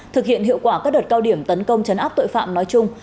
thực hiện hiệu quả các đợt cao điểm tấn công chấn áp tội phạm nói chung